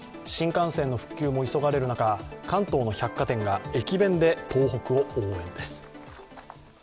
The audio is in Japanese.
新幹線の復旧も急がれる中関東の百貨店が駅弁で東北を応援です。